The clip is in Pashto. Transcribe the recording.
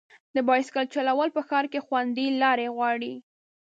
د بایسکل چلول په ښار کې خوندي لارې غواړي.